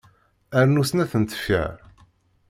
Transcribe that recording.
Rnu snat n tefyar.